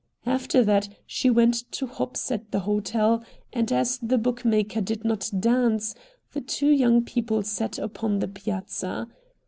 After that she went to hops at the hotel, and as the bookmaker did not dance, the two young people sat upon the piazza.